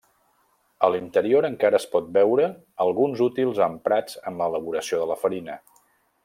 A l'interior encara es pot veure alguns útils emprats en l'elaboració de la farina.